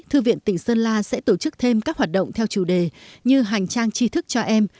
thư viện tỉnh sơn la sẽ tổ chức thêm các hoạt động theo chủ đề như hành trang tri thức cho em